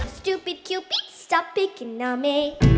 สตูปิดคิวปิดสต๊อปปิดกินโนเม